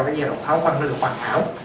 cái giai đoạn tháo phân nó được hoàn hảo